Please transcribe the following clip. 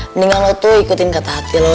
mendingan lo tuh ikutin kata hati loh